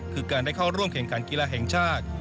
คือการได้เข้าร่วมการกีฬาแห่งชาติ